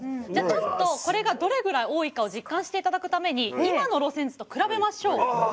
じゃあちょっとこれがどれぐらい多いかを実感して頂くために今の路線図と比べましょう。